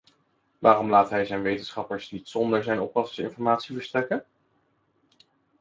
Waarom laat hij zijn wetenschappers niet zonder zijn oppassers informatie verstrekken?